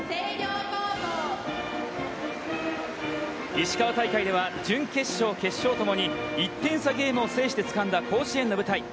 石川大会では準決勝、決勝ともに１点差ゲームを制してつかんだ甲子園の舞台。